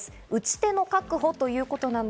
打ち手の確保。